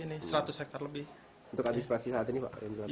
untuk adispasi saat ini pak